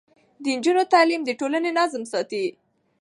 د نجونو تعليم د ټولنې نظم ساتي.